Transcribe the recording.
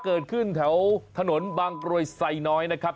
เกิดขึ้นแถวถนนบางกรวยไซน้อยนะครับ